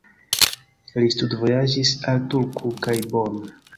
Li studvojaĝis al Turku kaj Bonn.